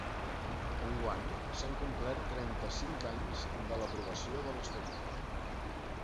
Enguany s’han complert trenta-cinc anys de l’aprovació de l’estatut.